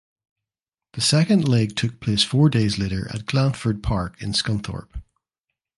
The second leg took place four days later at Glanford Park in Scunthorpe.